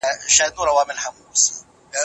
انا خپل لاسونه په هوا کې ونیول.